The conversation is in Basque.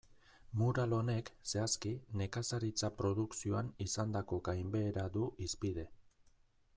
Mural honek, zehazki, nekazaritza produkzioan izandako gainbehera du hizpide.